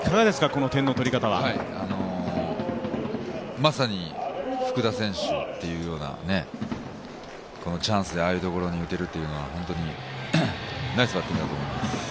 まさに福田選手というような、チャンスでああいうところに打てるというのは、本当にナイスバッティングだと思います。